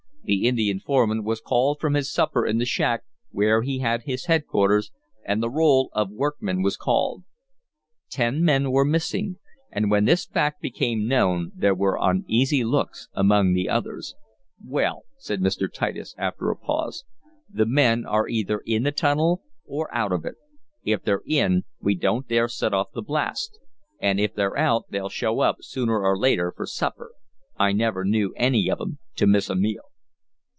The Indian foreman was called from his supper in the shack where he had his headquarters, and the roll of workmen was called. Ten men were missing, and when this fact became known there were uneasy looks among the others. "Well," said Mr. Titus, after a pause. "The men are either in the tunnel or out of it. If they're in we don't dare set off the blast, and if they're out they'll show up, sooner or later, for supper. I never knew any of 'em to miss a meal."